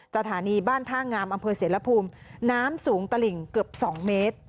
สถานีบ้านท่างามอำเภอเสรภูมิน้ำสูงตลิ่งเกือบ๒เมตร